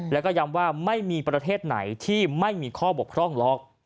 แล้วก็ย้ำว่าไม่มีประเทศไหนที่ไม่มีข้อบกพร่องหรอก